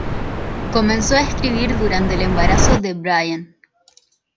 Comenzó a escribir durante el embarazo de Brian.